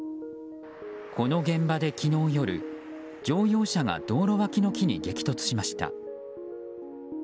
この現場で昨日夜、乗用車が道路脇の木に激突しました。